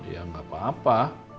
ya gak apa apa